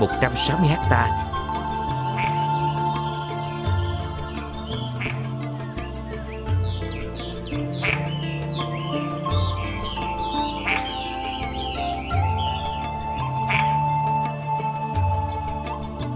một không trang sen đủ để ta cảm nhận